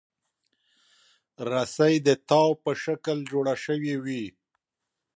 رسۍ د تاو په شکل جوړه شوې وي.